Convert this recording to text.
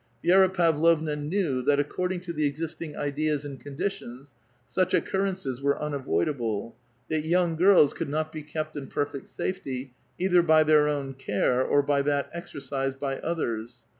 Vi^ra Pavlovna knew "^^t, according to the existing ideas and conditions, such P^^^Urrences were unavoidable ; tliat young girls couUl not be ^^l>t in perfect safet}', either by their own care or by that ^^^rcised by others.